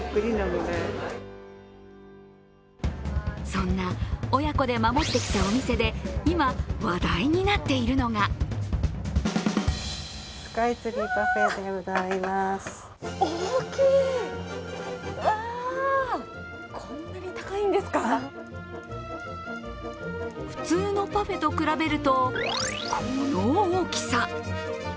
そんな親子で守ってきたお店で今、話題になっているのが普通のパフェと比べると、この大きさ。